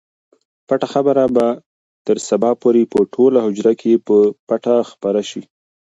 پټه خبره به تر سبا پورې په ټوله حجره کې په پټه خپره شي.